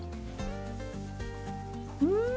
うん！